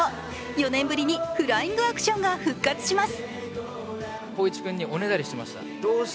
４年ぶりにフライングアクションが復活します。